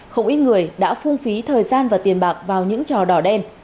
không ít người đã phung phí thời gian và tiền bạc vào những trò đỏ đen